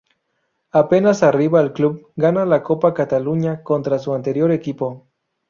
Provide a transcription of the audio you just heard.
Apenas arriba al club gana la Copa Cataluña contra su anterior equipo.